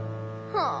はあ。